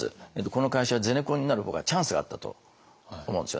この会社はゼネコンになる方がチャンスがあったと思うんですよね。